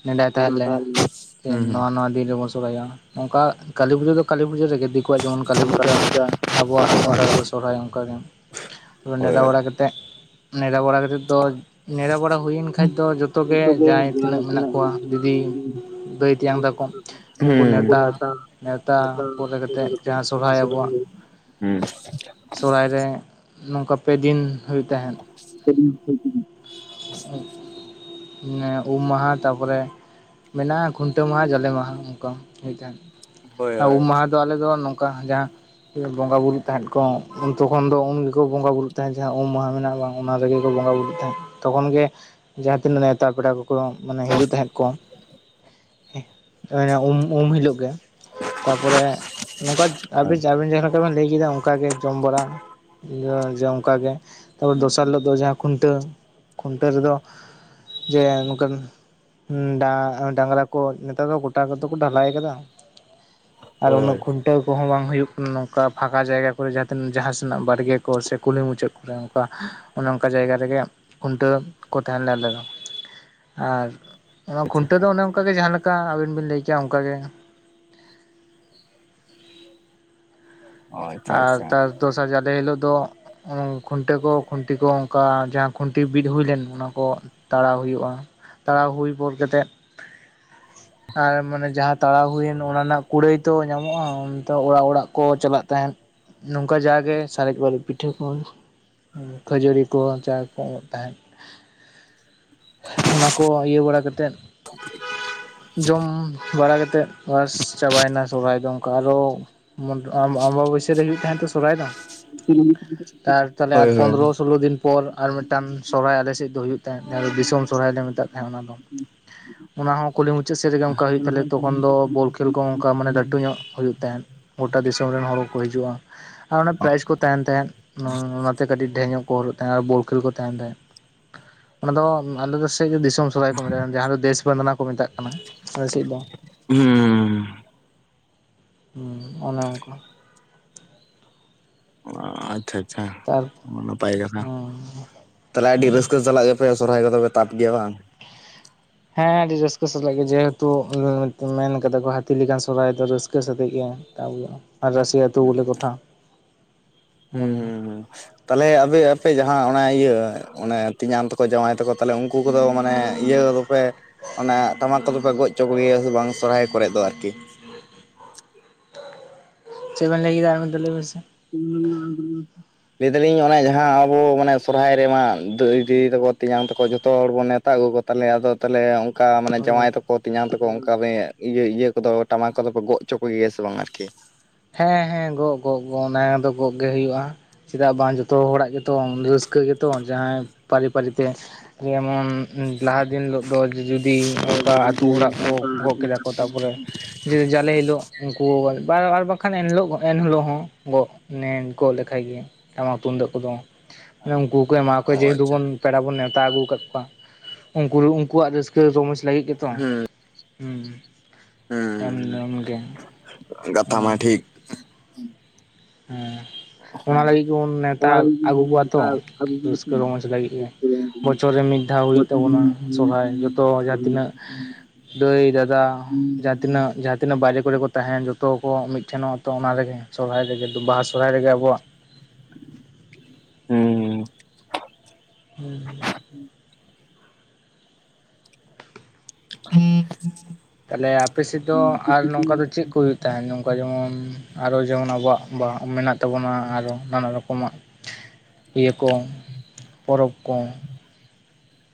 ᱱᱮᱰᱟᱭ ᱛᱟᱦᱟᱞᱮ ᱦᱩᱸ ᱦᱩᱸ ᱱᱚᱣᱟ ᱱᱚᱣᱟ ᱫᱤᱱ ᱨᱮᱵᱚᱱᱼᱼ ᱟᱭᱟ ᱱᱚᱝᱠᱟ ᱠᱟᱹᱞᱤ ᱯᱩᱡᱟᱹ ᱫᱚ ᱠᱟᱹᱞᱤ ᱯᱩᱡᱟ ᱨᱮᱜᱮ ᱫᱤᱠᱩᱣᱟᱜ ᱡᱮᱢᱚᱱ ᱠᱟᱹᱞᱤ ᱯᱩᱡᱟ ᱟᱵᱚᱣᱟᱜ ᱥᱟᱱᱛᱟᱲᱟᱜ ᱫᱚᱼᱼ ᱥᱚᱨᱦᱟᱭ ᱚᱱᱠᱟᱜᱮ ᱛᱚᱵᱮ ᱱᱮᱰᱟ ᱦᱳᱭ ᱵᱟᱲᱟ ᱠᱟᱛᱮᱫ ᱱᱮᱰᱟ ᱵᱟᱲᱟ ᱠᱟᱼᱼ ᱛᱚ ᱱᱮᱨᱟ ᱵᱟᱲᱟ ᱦᱩᱭᱮᱱ ᱠᱷᱟᱡ ᱫᱚ ᱡᱚᱛᱚ ᱜᱮ ᱡᱟᱦᱟᱸᱭ ᱛᱤᱱᱟᱹᱜ ᱢᱮᱱᱟᱜᱼᱼ ᱠᱚᱣᱟᱜ ᱫᱤᱫᱤ ᱫᱟᱹᱭ ᱛᱮᱭᱟᱝ ᱫᱟᱠᱚ ᱩᱱᱠᱩ ᱱᱮᱛᱟ ᱱᱮᱶᱛᱟ ᱱᱮᱣᱛᱟ ᱯᱚᱨᱨ ᱠᱟᱛᱮᱫ ᱡᱟᱦᱟᱸ ᱥᱚᱨᱦᱟᱭ ᱟᱵᱚᱣᱟᱜᱼᱼ ᱥᱚᱨᱦᱟᱭ ᱨᱮ ᱱᱚᱝᱠᱟ ᱯᱮ ᱫᱤᱱ ᱦᱩᱭᱩᱜ ᱛᱟᱦᱮᱸᱫ [unintelligible] ᱩᱢ ᱢᱟᱦᱟ ᱛᱟᱨᱯᱚᱨᱮᱼᱼ ᱢᱮᱱᱟᱜ-ᱟ ᱠᱷᱩᱱᱴᱟᱹᱣ ᱢᱟᱦᱟ ᱡᱟᱞᱮ ᱢᱟᱦᱟ ᱚᱱᱠᱟ [unintelligible] ᱦᱳᱭ ᱟᱸ ᱦᱳᱭ ᱩᱢ ᱢᱟᱦᱟᱼᱼ [unintelligible] ᱟᱞᱮ ᱫᱚ ᱱᱚᱝᱠᱟ ᱡᱟᱦᱟᱸᱼᱼ ᱵᱚᱸᱜᱟ ᱵᱩᱨᱩᱜ ᱛᱟᱦᱮᱸᱫ ᱠᱚ ᱛᱚᱠᱷᱚᱱ ᱫᱚ ᱩᱱ ᱜᱮᱠᱚ ᱵᱚᱸᱜᱟ ᱵᱩᱨᱩᱜ ᱛᱟᱦᱮᱸᱫ ᱡᱟᱦᱟᱸ ᱩᱢ ᱢᱟᱦᱟ ᱢᱮᱱᱟᱜ-ᱟ ᱵᱟᱝᱼᱼ ᱚᱱᱟ ᱨᱮᱜᱮ ᱠᱚ ᱵᱚᱸᱜᱟ ᱵᱩᱨᱩᱜ ᱛᱟᱦᱮᱸᱫ᱾ ᱛᱚᱠᱷᱚᱱ ᱜᱮ ᱡᱟᱦᱟᱸ ᱛᱤᱱᱟᱹᱜ ᱱᱮᱛᱟᱨ ᱯᱮᱲᱟ ᱠᱚᱠᱚ ᱢᱮ ᱦᱤᱡᱩᱜ ᱛᱟᱦᱮᱸᱫ ᱠᱚ [unintelligible] [unintelligible] ᱩᱢ ᱩᱢ ᱦᱤᱞᱳᱜ ᱜᱮ ᱛᱟᱯᱚᱨᱮ ᱱᱚᱝᱠᱟ ᱟᱵᱤᱱ ᱡᱟ-ᱡᱟᱦᱟᱸ ᱞᱮᱠᱟ ᱵᱤᱱ ᱞᱟᱹᱭ ᱠᱮᱫᱟ ᱚᱱᱠᱟ ᱜᱮ ᱡᱚᱢ ᱵᱟᱲᱟ ᱡᱮ ᱚᱱᱠᱟ ᱜᱮ ᱛᱟᱯᱚᱨ ᱫᱚᱥᱟᱨ ᱦᱤᱞᱚᱜ ᱫᱚ ᱡᱟᱦᱟᱸ ᱠᱷᱩᱱᱴᱟᱹᱣ ᱠᱷᱩᱱᱴᱟᱹᱣ ᱨᱮᱫᱚ ᱡᱮ ᱱᱚᱝᱠᱟᱱᱼᱼ ᱰᱟ-ᱰᱟᱝᱨᱟ ᱠᱚ ᱱᱮᱛᱟᱨ ᱫᱚ ᱜᱚᱴᱟ ᱠᱚᱫᱚ ᱠᱚ ᱰᱷᱟᱞᱟᱭ ᱠᱟᱫᱟᱼᱼ ᱟᱨ ᱩᱱᱟᱹᱜ ᱠᱩᱧᱼᱼ ᱴᱟᱹᱣ ᱠᱚᱦᱚᱸ ᱵᱟᱝ ᱦᱩᱭᱩᱜ ᱠᱟᱱᱟ ᱱᱚᱝᱠᱟ ᱯᱷᱟᱸᱠᱟ ᱡᱟᱭᱜᱟ ᱠᱚᱨᱮ ᱡᱟᱦᱟᱸ ᱛᱤᱱᱟᱹᱜ ᱵᱟᱲᱜᱮ ᱠᱚᱨᱮ ᱠᱩᱞᱦᱤ ᱢᱩᱪᱟᱹᱫ ᱠᱚᱨᱮ ᱟᱝᱠᱟᱼᱼ ᱚᱱᱮ ᱚᱱᱠᱟ ᱡᱟᱭᱜᱟ ᱨᱮᱜᱮ ᱠᱷᱩᱱᱴᱟᱹᱣ ᱠᱚ ᱛᱟᱦᱞᱮ ᱟᱞᱮ ᱫᱚ ᱟᱨ ᱚᱱᱟ ᱠᱷᱩᱱᱴᱟᱹᱣ ᱫᱚ ᱚᱱᱮ ᱚᱱᱠᱟ ᱜᱮ ᱡᱟᱦᱟᱸ ᱞᱮᱠᱟ ᱟᱹᱵᱤᱱ ᱵᱤᱱ ᱞᱟᱹᱭ ᱠᱮᱭᱟ ᱚᱱᱠᱟ ᱜᱮ ᱟᱪᱪᱷᱟ ᱟᱨ ᱟᱪᱪᱷᱟ ᱛᱟᱨ ᱫᱚᱥᱟᱨ ᱡᱟᱞᱮ ᱦᱤᱞᱳᱜ ᱫᱚ ᱠᱷᱩᱱᱴᱟᱹ ᱠᱚ ᱠᱷᱩᱱᱴᱤ ᱠᱚ ᱚᱱᱠᱟ ᱡᱟᱦᱟᱸ ᱠᱷᱩᱱᱴᱤ ᱵᱤᱫ ᱦᱩᱭ ᱞᱮᱱ ᱚᱱᱟ ᱠᱚ ᱛᱟᱲᱟᱣ ᱦᱩᱭᱩᱜ-ᱟ ᱛᱟᱲᱟᱣ ᱦᱩᱭ ᱯᱚᱨ ᱛᱮᱫ [inaudible] ᱟᱨ ᱢᱟᱱᱮ ᱡᱟᱦᱟᱸ ᱛᱟᱲᱟᱣ ᱦᱩᱭᱮᱱ ᱚᱱᱟ ᱨᱮᱱᱟᱜ ᱠᱩᱲᱟᱹᱭ ᱛᱚ ᱧᱟᱢᱚᱜ-ᱟ ᱚᱱ ᱚᱲᱟᱜ ᱚᱲᱟᱜ ᱠᱚ ᱪᱟᱞᱟᱜᱼᱼ [unintelligible] ᱱᱚᱝᱠᱟ ᱡᱟᱜᱮ ᱥᱟᱨᱮᱡ ᱵᱟᱨᱮᱡ ᱯᱤᱴᱷᱟᱹ ᱠᱚ ᱠᱷᱟᱹᱡᱚᱨᱤ ᱠᱚ ᱪᱟ ᱠᱚ ᱮᱢᱚᱜ ᱛᱟᱦᱮᱫᱼᱼ ᱚᱱᱟ ᱠᱚ ᱤᱭᱟᱹ ᱵᱟᱲᱟ ᱠᱟᱛᱮᱫ ᱡᱚᱢ ᱵᱟᱲᱟ ᱠᱟᱛᱮᱫᱼᱼ ᱵᱟᱥ ᱪᱟᱵᱟᱭ ᱱᱟ ᱥᱚᱦᱨᱟᱭ ᱫᱚ ᱟᱨᱚᱼᱼ ᱟᱢ ᱟᱢᱵᱟ ᱵᱟᱹᱭᱥᱟᱹ ᱨᱮ ᱦᱩᱭᱩᱜ ᱛᱟᱦᱮᱱ ᱛᱮ ᱥᱚᱨᱦᱟᱭ ᱫᱚᱼᱼ [unintelligible] ᱛᱟᱨ ᱛᱟᱦᱚᱞᱮ ᱦᱳᱭ ᱟᱨ ᱦᱳᱭ ᱦᱩᱸ ᱯᱚᱱᱨᱚ ᱥᱳᱞᱳ ᱫᱤᱱ ᱯᱚᱨ ᱟᱨ ᱢᱤᱫᱴᱟᱝ ᱥᱚᱨᱦᱟᱭ ᱟᱞᱮᱥᱮᱫ ᱫᱚ ᱦᱩᱭᱩᱜ ᱛᱟᱦᱮᱸᱫ ᱡᱟᱦᱟ ᱫᱚ ᱫᱤᱥᱚᱢ ᱥᱚᱨᱦᱟᱭ ᱢᱮᱛᱟᱜ ᱠᱟᱱᱟ ᱱᱟᱣᱟ ᱫᱚ ᱚᱱᱟ ᱦᱚᱸ ᱠᱩᱞᱦᱤ ᱢᱩᱪᱟᱹᱫ ᱥᱮᱫ ᱨᱮᱜᱮ ᱚᱱᱠᱟ ᱦᱩᱭᱩᱜ ᱛᱟᱞᱮ ᱛᱚᱠᱷᱚᱱ ᱫᱚ ᱵᱚᱞ ᱠᱷᱮᱞ ᱠᱚ ᱚᱱᱠᱟ ᱢᱟᱱᱮ ᱞᱟᱹᱴᱩ ᱧᱚᱜ ᱦᱩᱭᱩᱜ ᱛᱟᱦᱮᱱ ᱜᱳᱴᱟ ᱫᱤᱥᱚᱢ ᱨᱮᱱ ᱦᱚᱲ ᱠᱚ ᱠᱚ ᱦᱤᱡᱩᱜ-ᱟ ᱟᱨ ᱯᱨᱟᱭᱤᱡᱽ ᱠᱚ ᱛᱟᱦᱮᱱ ᱛᱟᱦᱮᱸᱜ ᱚᱱᱟᱛᱮ ᱠᱟᱹᱴᱤᱡ ᱰᱷᱮᱨ ᱧᱚᱜ ᱠᱚ ᱦᱚᱨᱚᱜ ᱛᱟᱦᱮᱸᱜ ᱟᱨ ᱵᱚᱞ ᱠᱷᱮᱞ ᱠᱚ ᱛᱟᱦᱮᱱ ᱛᱟᱦᱮᱸᱫ ᱚᱱᱟ ᱫᱚ ᱟᱞᱮ ᱫᱚ ᱥᱮᱡ ᱫᱤᱥᱚᱢ ᱥᱚᱨᱦᱟᱭ ᱠᱚ ᱢᱮᱛᱟᱜ ᱡᱟᱦᱟᱸ ᱫᱚ ᱫᱮᱥ ᱵᱟᱸᱫᱱᱟ ᱠᱚ ᱢᱮᱛᱟᱜ ᱠᱟᱱᱟ ᱟᱞᱮ ᱥᱮᱫ ᱫᱚ ᱦᱩᱸᱻ ᱚᱱᱮ ᱚᱱᱠᱟ ᱚ ᱟᱪᱪᱷᱟ ᱟᱪᱪᱷᱟ ᱛᱟᱨ ᱱᱟᱯᱟᱭ ᱠᱟᱛᱷᱟ ᱦᱩᱸ ᱛᱟᱦᱞᱮ ᱟᱹᱰᱤ ᱨᱟᱹᱥᱠᱟᱹ ᱥᱟᱞᱟᱜᱼᱼ ᱯᱮ ᱥᱚᱨᱦᱟᱭ ᱠᱚᱫᱚ ᱯᱮ ᱛᱟᱯ ᱜᱮᱭᱟ ᱵᱟᱝ᱾ ᱦᱮᱸ ᱟᱹᱰᱤ ᱨᱟᱹᱥᱠᱟᱹ ᱥᱟᱞᱟᱜ ᱜᱮ ᱡᱮᱦᱮᱛᱩ ᱢᱮᱱ ᱠᱟᱫᱟ ᱠᱚ ᱦᱟᱹᱛᱤ ᱞᱮᱠᱟᱱ ᱥᱚᱨᱦᱟᱭ ᱫᱚ ᱨᱟᱹᱥᱠᱟᱹ ᱥᱟᱛᱮᱜ ᱜᱮ᱾ [unintelligible] ᱨᱟᱥᱤ ᱟᱹᱛᱩ ᱵᱚᱞᱮ ᱠᱚᱛᱷᱟ ᱦᱮᱸ᱾ [unintelligible] ᱛᱟᱦᱟᱞᱮ ᱟᱯᱮ ᱟᱯᱮ ᱡᱟᱦᱟᱸ ᱚᱱᱟ ᱤᱭᱟᱹ ᱚᱱᱮ ᱛᱮᱧᱟᱝ ᱛᱟᱠᱚ ᱡᱟᱶᱟᱭ ᱛᱟᱠᱚ ᱛᱟᱦᱞᱮ ᱩᱱᱠᱩ ᱠᱚᱫᱚ ᱢᱟᱱᱮ ᱤᱭᱟᱹ ᱫᱚᱯᱮ ᱚᱱᱟ ᱴᱟᱢᱟᱠ ᱠᱚᱫᱚ ᱯᱮ ᱜᱚᱡ ᱦᱚᱪᱚ ᱠᱚᱜᱮᱭᱟ ᱥᱮ ᱵᱟᱝ ᱥᱚᱨᱦᱟᱭ ᱠᱚᱨᱮ ᱫᱚ ᱟᱨᱠᱤ? ᱪᱮᱫᱵᱮᱱ ᱞᱟᱹᱭ ᱠᱮᱫᱟ ᱟᱨ ᱢᱤᱫ ᱫᱷᱟᱣ ᱞᱟᱹᱭ ᱵᱤᱱ ᱥᱮ? [unintelligible] ᱞᱮᱭ ᱫᱟᱞᱤᱧ ᱚᱱᱮ ᱡᱟᱦᱟᱸ ᱟᱵᱚ ᱢᱟᱱᱮ ᱥᱚᱨᱦᱟᱭ ᱨᱮᱢᱟ ᱫᱟᱹᱭ ᱫᱤᱫᱤ ᱛᱟᱠᱚ ᱛᱮᱧᱟᱝ ᱛᱟᱠᱚ ᱡᱷᱚᱛᱚ ᱦᱚᱲ ᱵᱚᱱ ᱱᱮᱣ ᱛᱟᱣ ᱟᱹᱜᱩ ᱠᱚ ᱛᱟᱞᱮ ᱟᱫᱚ ᱛᱟᱦᱚᱞᱮ ᱚᱱᱠᱟ ᱢᱟᱱᱮ ᱦᱳᱭ ᱦᱳᱭ ᱡᱟᱶᱟᱭ ᱛᱟᱠᱚ ᱛᱮᱧᱟᱝ ᱛᱟᱠᱚ ᱚᱱᱠᱟ ᱤᱭᱟᱹ ᱤᱭᱟᱹ ᱠᱚᱫᱚ ᱴᱟᱢᱟᱠ ᱠᱚᱫᱚ ᱠᱚ ᱜᱚᱜ ᱦᱚᱪᱚ ᱠᱚᱜᱮᱭᱟ ᱥᱮ ᱵᱟᱝ ᱟᱨᱠᱤ? ᱦᱮᱸ ᱦᱮᱸ ᱜᱚᱜ ᱜᱚᱜ ᱜᱚᱜ ᱚᱱᱟ ᱫᱚ ᱜᱚᱜ ᱜᱮ ᱦᱩᱭᱩᱜᱼᱟ᱾ ᱪᱮᱫᱟᱜ ᱵᱟᱝ ᱡᱚᱛᱚ ᱦᱚᱲᱟᱜ ᱜᱮᱛᱚ ᱨᱟᱹᱥᱠᱟᱹ ᱜᱮᱛᱚ ᱡᱟᱦᱟᱸᱭ ᱯᱟᱹᱨᱤ ᱯᱟᱹᱨᱤᱛᱮ, ᱡᱮᱢᱚᱱ ᱞᱟᱦᱟ ᱫᱤᱱ ᱦᱤᱞᱚᱜ ᱫᱚ ᱡᱩᱫᱤ ᱜᱚᱡ ᱚᱱᱠᱟ ᱟᱛᱩ ᱜᱩᱰᱤ ᱦᱚᱲᱟᱜ ᱠᱚ ᱥᱟᱶᱛᱟ ᱜᱚᱜ ᱟᱹᱛᱩ ᱠᱮᱫᱟ ᱦᱚᱲ ᱠᱚ ᱛᱟᱯᱚᱨᱮ ᱡᱟᱞᱮ ᱦᱤᱞᱳᱜ ᱩᱱᱠᱩ [unintelligible] ᱠᱷᱟᱱ ᱮᱱᱦᱤᱞᱳᱜ ᱮᱱᱦᱤᱞᱳᱜ ᱦᱚᱸ ᱜᱚᱜ ᱱᱮ ᱜᱚᱜ ᱞᱮᱠᱷᱟᱱ ᱜᱮ ᱴᱟᱢᱟᱠ ᱛᱩᱢᱫᱟᱜ ᱠᱚᱫᱚ ᱩᱱᱠᱩ ᱠᱚ ᱮᱢᱟ ᱠᱚ ᱚ ᱡᱮᱦᱮᱛᱩ ᱟᱪᱪᱷᱟ ᱵᱚᱱ ᱯᱮᱲᱟ ᱵᱚᱱ ᱱᱮᱣᱛᱟ ᱟᱹᱜᱩ ᱠᱟᱫ ᱠᱚᱣᱟ ᱩᱱᱠᱩ ᱩᱱᱠᱩᱣᱟᱜ ᱨᱟᱹᱥᱠᱟᱹ ᱨᱚᱢᱚᱡᱽ ᱞᱟᱹᱜᱤᱫ ᱜᱮᱛᱚ᱾ ᱦᱩᱸ ᱮᱢᱫᱚᱢ ᱦᱩᱸ ᱜᱮ ᱠᱟᱛᱷᱟ ᱢᱟ ᱴᱷᱤᱠ ᱦᱮᱸ ᱚᱱᱟ ᱞᱟᱹᱜᱤᱫ ᱜᱮᱵᱚᱱ ᱱᱮᱣᱛᱟ ᱚᱱᱟ ᱟᱹᱜᱩ ᱠᱚᱣᱟ ᱦᱩᱸ ᱛᱚ ᱨᱟᱹᱥᱠᱟᱹ ᱨᱚᱢᱚᱡᱽ ᱞᱟᱹᱜᱤᱫ ᱜᱮ᱾ ᱵᱚᱪᱷᱚᱨ ᱨᱮ ᱢᱤᱫ ᱫᱷᱟᱣ ᱦᱩᱭᱩᱜ ᱛᱟᱵᱚᱱᱟ ᱥᱟᱦᱨᱟᱭ ᱡᱷᱚᱛᱚ ᱡᱟᱦᱟᱸ ᱛᱤᱱᱟᱹᱜ ᱫᱟᱹᱭ ᱫᱟᱫᱟ ᱡᱟᱦᱟᱸ ᱛᱤᱱᱟᱹᱜ ᱡᱟᱦᱟᱸ ᱛᱤᱱᱟᱹᱜ ᱵᱟᱦᱨᱮ ᱠᱚᱨᱮ ᱠᱚ ᱛᱟᱦᱮᱸᱱ ᱡᱷᱚᱛᱚ ᱠᱚ ᱢᱤᱫᱴᱷᱮᱱᱚᱜᱼᱟ ᱛᱚ ᱚᱱᱟ ᱨᱮᱜᱮ ᱥᱚᱦᱨᱟᱭ ᱨᱮᱜᱮ ᱵᱟᱦᱟ ᱥᱚᱦᱨᱟᱭ ᱨᱮᱜᱮ ᱟᱵᱚᱣᱟᱜ ᱦᱩᱸ ᱦᱩᱸ [unintelligible] [unintelligible] ᱛᱟᱦᱟᱞᱮ ᱟᱯᱮ ᱥᱮᱫ ᱫᱚ ᱟᱨ ᱱᱚᱝᱠᱟ ᱫᱚ ᱪᱮᱫ ᱠᱚ ᱦᱩᱭᱩᱜ ᱛᱟᱦᱮᱸᱫ ᱱᱚ ᱠᱟ ᱡᱮᱢᱚᱱ ᱟᱨᱚ ᱡᱮᱢᱚᱱ ᱟᱵᱚᱣᱟᱜ ᱵᱟᱦ ᱢᱮᱱᱟᱜ ᱛᱟᱵᱚᱱᱟ ᱟᱨᱚ ᱱᱟᱱᱟ ᱨᱚᱠᱚᱢᱟᱜ ᱤᱭᱟᱹ ᱠᱚ, ᱯᱚᱨᱚᱵᱽ ᱠᱚ?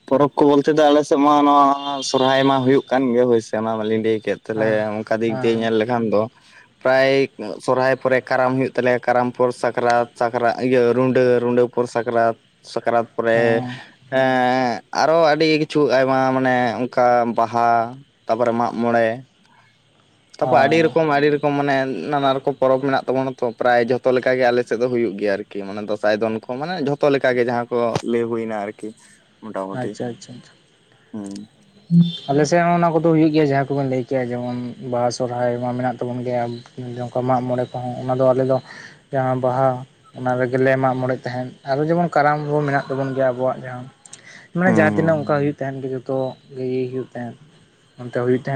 ᱯᱚᱨᱚᱵᱽ ᱠᱚ ᱵᱚᱞᱛᱮ ᱫᱚ ᱟᱞᱮᱥᱮᱫ ᱢᱟ ᱱᱚᱣᱟ ᱥᱚᱨᱦᱟᱭ ᱢᱟ ᱦᱩᱭᱩᱜ ᱠᱟᱱ ᱜᱮ ᱦᱳᱭᱥᱮ ᱚᱱᱟ ᱢᱟᱞᱤᱧ ᱞᱮᱭ ᱠᱮᱫ᱾ ᱛᱟᱦᱟᱞᱮ ᱦᱮᱸ ᱚᱱᱠᱟ ᱫᱤᱠ ᱫᱤᱭᱮ ᱦᱮᱸ ᱧᱮᱞ ᱞᱮᱠᱷᱟᱱ ᱫᱚ, ᱯᱨᱟᱭ ᱥᱚᱨᱚᱦᱟᱭ ᱯᱚᱨᱮ ᱠᱟᱨᱟᱢ ᱦᱩᱭᱩᱜ ᱛᱟᱞᱮᱭᱟ ᱠᱟᱨᱟᱢ ᱯᱚᱨ ᱥᱟᱠᱨᱟᱛ ᱥᱟᱠᱨᱟᱛ ᱤᱭᱟᱹ ᱨᱩᱰᱟᱹ ᱨᱩᱰᱟᱹ ᱯᱚᱨ ᱥᱟᱠᱨᱟᱛ ᱥᱟᱠᱨᱟᱛ ᱯᱚᱨᱮ ᱦᱮᱸ [unintelligible] ᱟᱨᱚ ᱟᱹᱰᱤ ᱠᱤᱪᱷᱩ ᱟᱭᱢᱟ ᱢᱟᱱᱮ ᱚᱱᱠᱟ ᱵᱟᱦᱟ, ᱛᱟᱯᱚᱨᱮ ᱢᱟᱜ ᱢᱚᱬᱮ, ᱛᱟᱯᱚᱨ ᱟᱹᱰᱤ ᱦᱳᱭ ᱨᱚᱠᱚᱢ ᱟᱹᱰᱤ ᱨᱚᱠᱚᱢ ᱢᱟᱱᱮ ᱱᱟᱱᱟ ᱨᱚ ᱯᱚᱨᱚᱵᱽ ᱢᱮᱱᱟᱜ ᱛᱟᱵᱚᱱᱟ ᱛᱚ ᱯᱨᱟᱭ ᱡᱷᱚᱛᱚ ᱞᱮᱠᱟᱜ ᱜᱮ ᱟᱞᱮ ᱥᱮᱫ ᱫᱚ ᱦᱩᱭᱩᱜ ᱜᱮᱭᱟ ᱟᱨᱠᱤ ᱢᱟᱱᱮ ᱫᱸᱥᱟᱭ ᱫᱚᱱ ᱠᱚ ᱢᱟᱱᱮ ᱡᱚᱛᱚ ᱡᱚᱛᱚ ᱞᱮᱠᱟ ᱜᱮ ᱡᱟᱦᱟᱸ ᱠᱚ ᱞᱮᱭ ᱦᱩᱭᱱᱟ ᱟᱨᱠᱤ᱾ ᱢᱚᱴᱟᱢᱩᱴᱤ ᱟᱪᱪᱷᱟ ᱟᱪᱪᱷᱟ ᱦᱮᱸ ᱟᱞᱮᱥᱮᱫ ᱦᱚᱸ ᱚᱱᱟ ᱠᱚᱫᱚ ᱦᱩᱭᱩᱜ ᱜᱮᱭᱟ ᱡᱟᱦᱟᱸ ᱠᱚᱵᱮᱱ ᱞᱮᱭ ᱠᱮᱭᱟ ᱡᱮᱢᱚᱱ ᱵᱟᱦᱟ ᱥᱚᱦᱨᱟᱭ ᱢᱟ ᱢᱮᱱᱟᱜ ᱛᱟᱵᱚᱱ ᱜᱮᱭᱟ᱾ ᱚᱱᱠᱟ ᱢᱟᱜ ᱢᱚᱬᱮ ᱠᱚᱦᱚᱸ ᱚᱱᱟ ᱫᱚ ᱟᱞᱮ ᱫᱚ ᱡᱟᱦᱟᱸ ᱵᱟᱦᱟ ᱚᱱᱟ ᱨᱮᱜᱮᱞᱮ ᱢᱟᱜ ᱢᱚᱬᱮ ᱛᱟᱦᱮᱸᱱ ᱟᱨᱚ ᱡᱮᱢᱚᱱ ᱠᱟᱨᱟᱢ [unintelligible] ᱢᱮᱱᱟᱜ ᱛᱟᱵᱚᱱ ᱜᱮᱭᱟ ᱟᱵᱚᱣᱟᱜ ᱡᱟᱦᱟᱸ ᱢᱟᱱᱮ ᱦᱩᱸ ᱡᱟᱦᱟᱸ ᱦᱩᱸ ᱛᱤᱱᱟᱹᱜ ᱚᱱᱠᱟ ᱦᱩᱭᱩᱜ ᱛᱟᱦᱮᱸᱱ ᱜᱮ ᱡᱚᱛᱚ ᱜᱮ ᱦᱩᱭᱩᱜ ᱛᱟᱦᱮᱸᱱ ᱚᱱᱛᱮ ᱦᱩᱭᱩᱜ ᱛᱟᱦᱮᱸᱱ